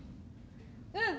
うん。